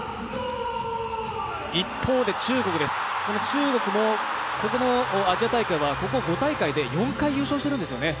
一方で中国もここもアジア大会はここ５大会で４回優勝しているんですよね。